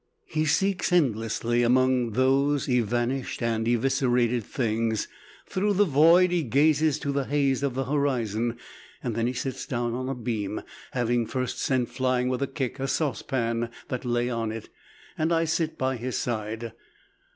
He seeks endlessly among those evanished and eviscerated things; through the void he gazes to the haze of the horizon. Then he sits down on a beam, having first sent flying with a kick a saucepan that lay on it, and I sit by his side.